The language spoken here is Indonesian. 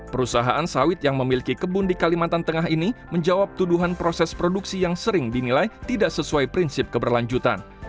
perusahaan sawit yang memiliki kebun di kalimantan tengah ini menjawab tuduhan proses produksi yang sering dinilai tidak sesuai prinsip keberlanjutan